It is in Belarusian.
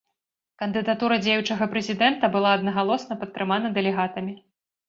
Кандыдатура дзеючага прэзідэнта была аднагалосна падтрымана дэлегатамі.